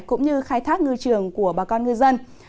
cũng như khai thác ngư trường của bà con ngư dân